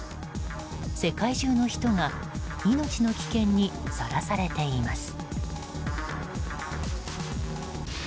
世界中の人が命の危険にさらされています。